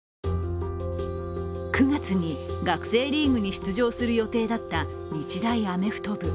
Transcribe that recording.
９月に学生リーグに出場する予定だった日大アメフト部。